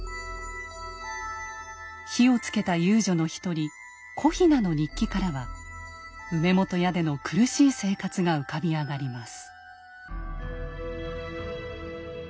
火をつけた遊女の一人小雛の日記からは梅本屋での苦しい生活が浮かび上がります。